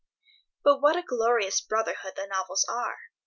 But what a glorious brotherhood the novels are!